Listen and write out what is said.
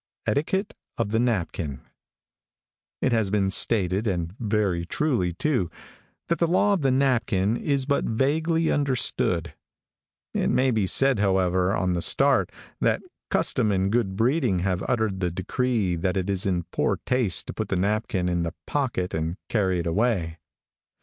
ETIQUETTE OF THE NAPKIN |IT has been stated, and very truly too, that the law of the napkin is but vaguely understood It may be said, however, on the start, that custom and good breeding have uttered the decree that it is in poor taste to put the napkin in the pocket and carry it away.